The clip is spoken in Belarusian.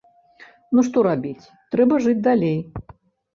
Ну, што рабіць, трэба жыць далей.